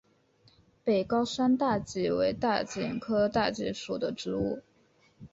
北高山大戟为大戟科大戟属的植物。